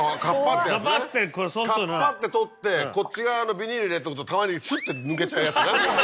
カパって取ってこっち側のビニールに入れとくとたまにスッて抜けちゃうやつね。